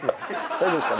大丈夫ですか？